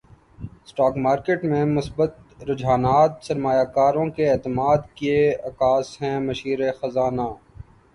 stock market میں مثبت رجحانات سرماریہ کاروں کے اعتماد کے عکاس ہیں مشیر خزانہ